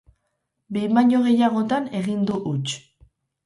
Behin baino gehiagotan egin du huts.